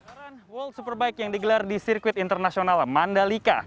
peran world superbike yang digelar di sirkuit internasional mandalika